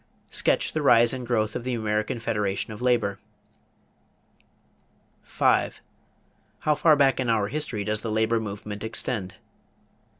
Sketch the rise and growth of the American Federation of Labor. 5. How far back in our history does the labor movement extend?